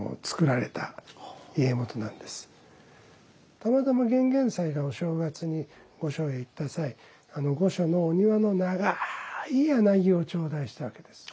たまたま玄々斎がお正月に御所へ行った際あの御所のお庭の長い柳を頂戴したわけです。